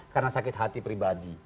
karena sakit hati pribadi